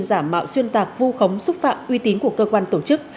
giả mạo xuyên tạc vu khống xúc phạm uy tín của cơ quan tổ chức